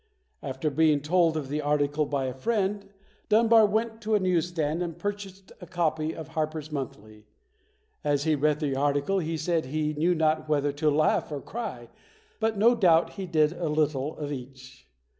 After being told of the article by a friend, Dunbar went to a newsstand and purchased a copy of Harper's Monthly. As he read the article, he said he knew not whether to laugh or cry, but no doubt he did a little of each.